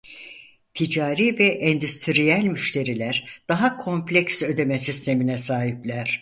Ticari ve endüstriyel müşteriler daha kompleks ödeme sistemine sahipler.